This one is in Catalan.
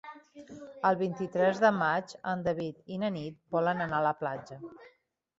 El vint-i-tres de maig en David i na Nit volen anar a la platja.